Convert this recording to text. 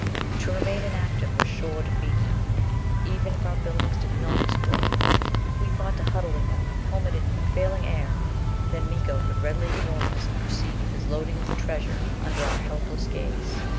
To remain inactive was sure defeat now. Even if our buildings did not explode if we thought to huddle in them, helmeted in the failing air then Miko could readily ignore us and proceed with his loading of the treasure under our helpless gaze.